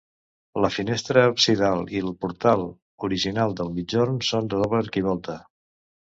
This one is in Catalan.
La finestra absidal i el portal original de migjorn són de doble arquivolta.